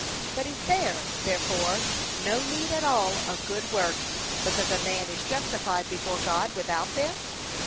But is there, therefore, no need at all of good works, because a man is justified before God without them?